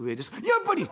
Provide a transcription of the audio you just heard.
「やっぱり！」。